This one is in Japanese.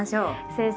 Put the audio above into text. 先生